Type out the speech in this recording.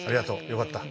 よかった。